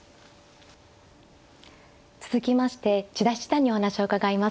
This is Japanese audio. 続きまして千田七段にお話を伺います。